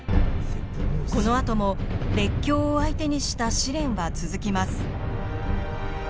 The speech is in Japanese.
このあとも列強を相手にした試練は続きます。